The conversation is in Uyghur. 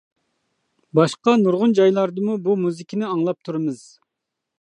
باشقا نۇرغۇن جايلاردىمۇ بۇ مۇزىكىنى ئاڭلاپ تۇرىمىز.